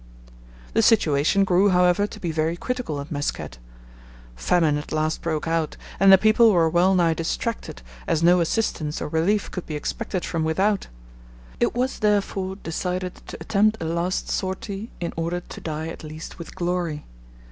The situation grew, however, to be very critical at Mesket. Famine at last broke out, and the people were well nigh distracted, as no assistance or relief could be expected from without. It was therefore decided to attempt a last sortie in order to die at least with glory.